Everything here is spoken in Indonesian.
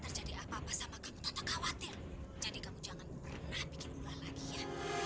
terjadi apa apa sama kamu khawatir jadi kamu jangan pernah bikin rumah lagi ya